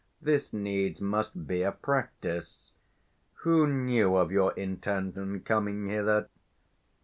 This needs must be a practice. Who knew of your intent and coming hither?